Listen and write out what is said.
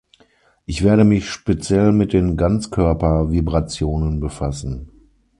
Ich werde mich speziell mit den Ganzkörper-Vibrationen befassen.